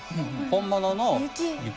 本物の雪。